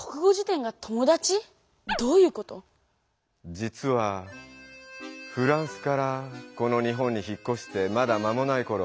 実はフランスからこの日本に引っこしてまだ間もないころ